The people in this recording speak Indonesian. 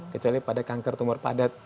kecuali pada kanker tumor padat